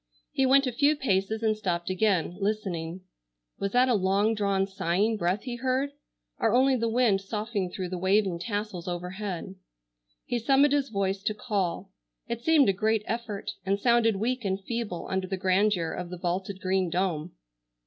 He went a few paces and stopped again, listening. Was that a long drawn sighing breath he heard, or only the wind soughing through the waving tassels overhead? He summoned his voice to call. It seemed a great effort, and sounded weak and feeble under the grandeur of the vaulted green dome.